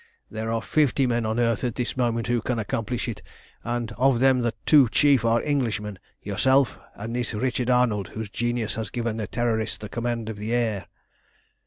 "There are fifty men on earth at this moment who can accomplish it, and of them the two chief are Englishmen, yourself and this Richard Arnold, whose genius has given the Terrorists the command of the air.